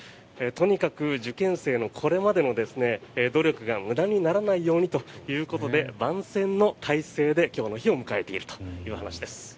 とにかく受験生のこれまでの努力が無駄にならないようにということで万全の態勢で今日の日を迎えているという話です。